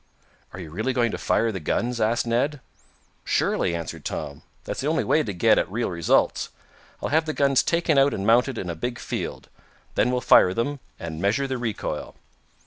"Are you really going to fire the guns?" asked Ned. "Surely," answered Tom. "That's the only way to get at real results. I'll have the guns taken out and mounted in a big field. Then we'll fire them, and measure the recoil."